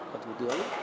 của thủ tướng